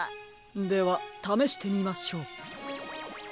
ではためしてみましょう。